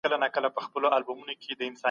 د ارغنداب سیند ژوند ته امید وربښي.